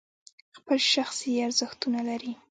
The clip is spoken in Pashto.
خپل شخصي ارزښتونه لري.